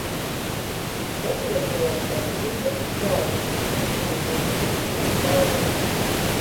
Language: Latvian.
Pašreizējā kārtība, kāda ir iestrādāta budžetā, tāda nav.